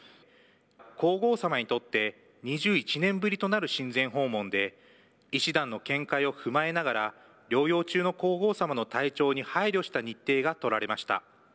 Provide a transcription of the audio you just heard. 皇后さまにとって、２１年ぶりとなる親善訪問で、医師団の見解を踏まえながら、療養中の皇后さまの体調に配慮した日程が取られました。